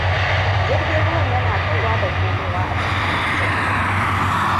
Jirgin ruwan yana kaiwa da komowa a tsakanin tsibiran.